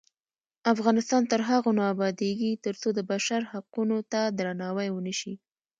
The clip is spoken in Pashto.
افغانستان تر هغو نه ابادیږي، ترڅو د بشر حقونو ته درناوی ونشي.